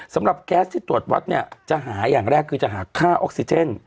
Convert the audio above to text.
แก๊สที่ตรวจวัดเนี่ยจะหาอย่างแรกคือจะหาค่าออกซิเจน